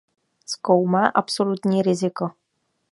Zkoumá "absolutní riziko".